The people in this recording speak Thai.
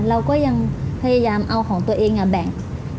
เราก็ยังพยายามเอาของตัวเองแบ่ง